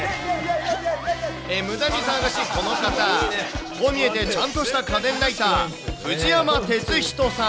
むだに騒がしいこの方、こう見えて、ちゃんとした家電ライター、藤山哲人さん。